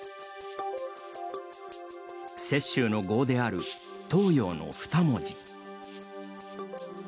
雪舟の号である等揚の２文字。